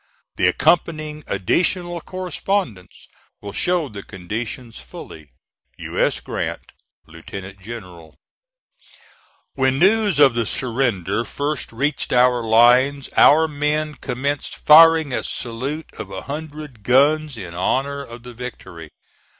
The accompanying additional correspondence will show the conditions fully. U. S. GRANT, Lieut. General. When news of the surrender first reached our lines our men commenced firing a salute of a hundred guns in honor of the victory.